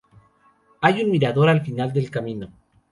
Hay un mirador al final del camino.